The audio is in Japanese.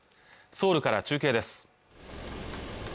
ソウルから中継です